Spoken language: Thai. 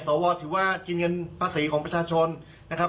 สวถือว่ากินเงินภาษีของประชาชนนะครับ